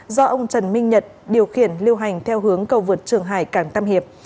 do ông trần minh nhật điều khiển lưu hành theo hướng cầu vượt trường hải cảng tam hiệp